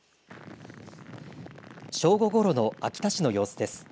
正午ごろの秋田市の様子です。